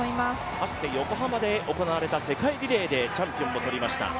かつて横浜で行われた世界リレーでチャンピオンも取りました。